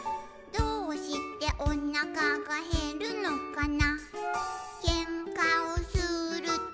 「どうしておなかがへるのかな」